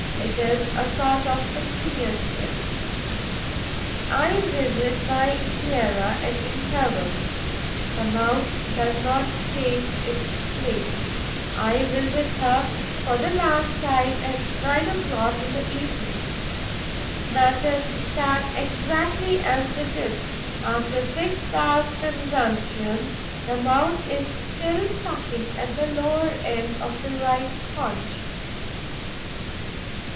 It is a sort of continuous kiss. I visit my Epeira at intervals. The mouth does not change its place. I visit her for the last time at nine o'clock in the evening. Matters stand exactly as they did: after six hours' consumption, the mouth is still sucking at the lower end of the right haunch.